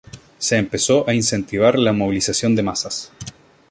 Se empezó a incentivar la movilización de masas.